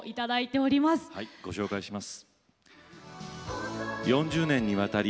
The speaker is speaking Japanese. はいご紹介します。